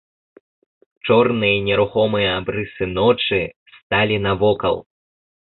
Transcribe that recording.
Чорныя нерухомыя абрысы ночы сталі навокал.